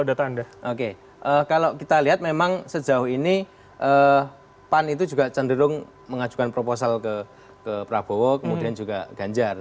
cuma memang kalau kita lihat data di atas ternyata sebaran pemilih pan itu lebih banyak memilih ke ganjar